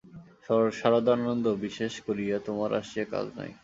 সারদানন্দ, বিশেষ করিয়া তোমার আসিয়া কাজ নাই।